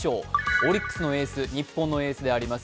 オリックスのエース、日本のエースであります